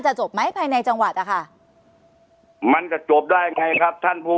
จบไหมภายในจังหวัดอะค่ะมันจะจบได้ยังไงครับท่านผู้